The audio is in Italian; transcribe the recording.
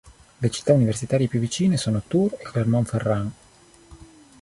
Le città universitarie più vicine sono Tours e Clermont-Ferrand.